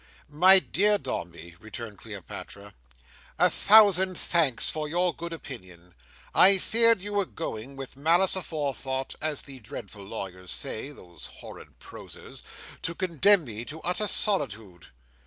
"My dear Dombey," returned Cleopatra, "a thousand thanks for your good opinion. I feared you were going, with malice aforethought, as the dreadful lawyers say—those horrid prosers!—to condemn me to utter solitude."